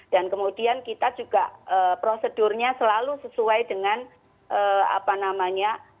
dan kemudian kita juga prosedurnya selalu sesuai dengan apa namanya